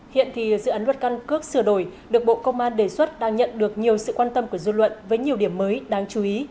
hiện thì dự án luật căn cước sửa đổi được bộ công an đề xuất đang nhận được nhiều sự quan tâm của dư luận với nhiều điểm mới đáng chú ý